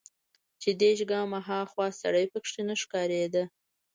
چې دېرش ګامه ها خوا سړى پکښې نه ښکارېده.